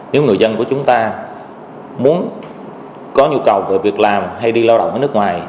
nếu người dân của chúng ta muốn có nhu cầu về việc làm hay đi lao động ở nước ngoài